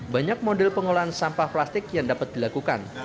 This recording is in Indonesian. banyak model pengolahan sampah plastik yang dapat dilakukan